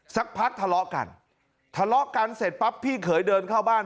สักพักทะเลาะกันทะเลาะกันเสร็จปั๊บพี่เขยเดินเข้าบ้าน